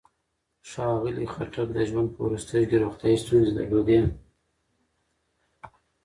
ښاغلي خټک د ژوند په وروستیو کې روغتيايي ستونزې درلودې.